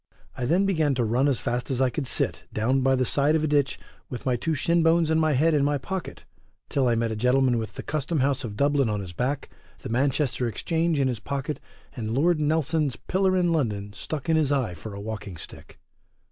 I than began to run as fast as I could sit down by the side of a ditch with my two shin bones and my head in my pocket, till I met a gentleman with the custom house of Dublin on his back, the Manchester exchange in his pocket, and Lord Nelson's pillar in London stuck in his eye for a walking stick.